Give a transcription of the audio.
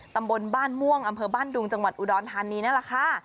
ตำบลบ้านม่วงอำเภอบ้านดุงจังหวัดอุดรธานีนั่นแหละค่ะ